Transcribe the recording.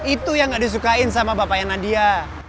itu yang gak disukain sama bapaknya nadia